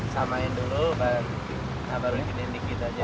samain dulu baru giniin dikit aja